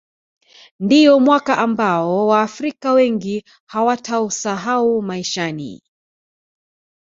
ndiyo mwaka ambao waafrika wengi hawatausahau maishani